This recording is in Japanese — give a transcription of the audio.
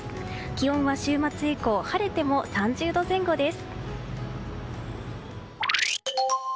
気温は週末以降晴れても３０度前後です。